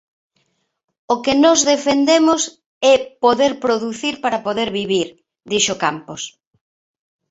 O que nós defendemos é poder producir para poder vivir, dixo Campos.